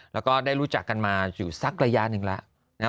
แล้วก็ได้รู้จักกันมาอยู่สักระยะหนึ่งแล้วนะครับ